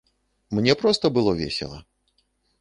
Мне проста было весела.